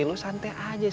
lo santai aja sih